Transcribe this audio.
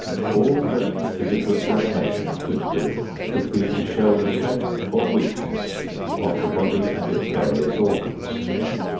All that a physical examination could do would be to show the strength or weakness of the body and its various organs.